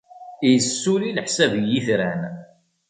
Issuli leḥsab i yitran.